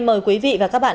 mời quý vị và các bạn